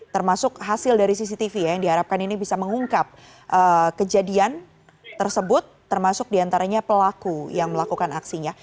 termasuk hasil dari cctv ya yang diharapkan ini bisa mengungkap kejadian tersebut termasuk diantaranya pelaku yang melakukan aksinya